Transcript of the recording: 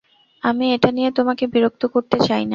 আমি এটা নিয়ে তোমাকে বিরক্ত করতে চাই না।